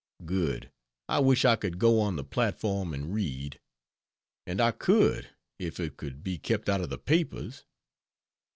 Good! I wish I could go on the platform and read. And I could, if it could be kept out of the papers.